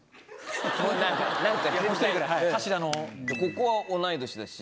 ここは同い年だし。